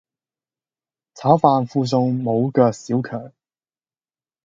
炒飯附送無腳小强